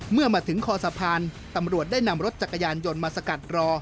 เมื่อมาถึงคอสะพานตำรวจได้นำรถจักรยานยนต์มาสกัดรอ